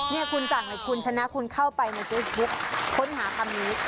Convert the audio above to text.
นี่คุณสั่งให้คุณชนะคุณเข้าไปในเฟซบุ๊คค้นหาคำนี้